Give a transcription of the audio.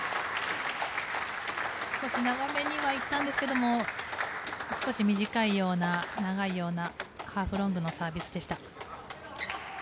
少し長めにはいったんですけども少し短いような長いようなハーフロングのサービスでした。